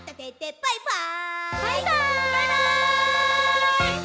「バイバーイ！」